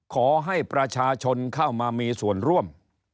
ขอให้ประชาชนเข้ามามีส่วนร่วม